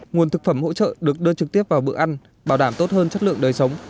nguồn thực phẩm hỗ trợ được đưa trực tiếp vào bữa ăn bảo đảm tốt hơn chất lượng đời sống